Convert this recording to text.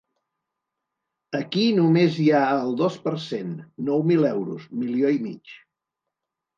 Aquí només hi ha el dos per cent, nou mil euros, milió i mig.